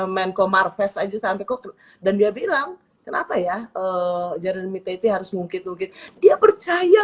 men commar fest aja sampai kok dan dia bilang kenapa ya eh jadil itu harus mungkin dia percaya